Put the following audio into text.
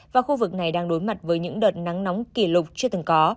và khu vực này đang đối mặt với những đợt nắng nóng kỷ lục chưa từng có